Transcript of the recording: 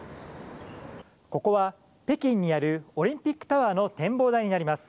ここは北京にあるオリンピックタワーの展望台になります。